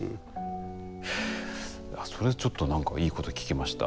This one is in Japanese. それちょっと何かいいこと聞きました。